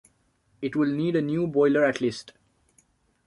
It will need a new boiler at least.